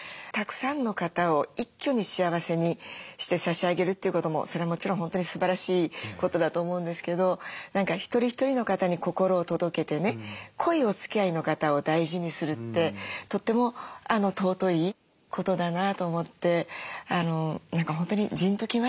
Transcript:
たくさんの方を一挙に幸せにして差し上げるっていうこともそれはもちろん本当にすばらしいことだと思うんですけど何か一人一人の方に心を届けてね濃いおつきあいの方を大事にするってとっても尊いことだなと思って何か本当にジーンと来ました。